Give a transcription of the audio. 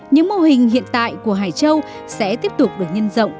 những mô hình hiện tại của hải châu sẽ tiếp tục được nhân rộng